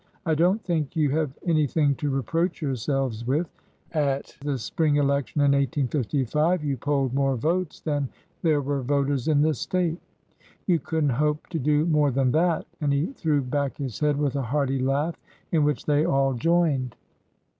I don't think you have anything to reproach yourselves with. At the spring election in 1855 you ' polled more votes than there were voters in the State. You could n't hope to do more than that !" And he threw back his head with a hearty laugh, in which they all joined.